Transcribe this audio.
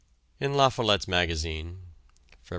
In La Follette's Magazine (Feb.